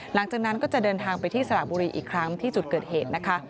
หลังจากนั้นก็จะเดินทางไปที่สระบุรีอีกครั้งที่จุดเกิดเหตุนะคะ